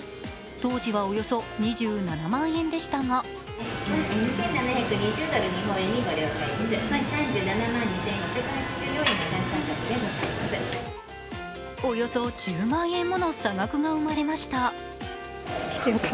当時はおよそ２７万円でしたがおよそ１０万円もの差額が生まれました。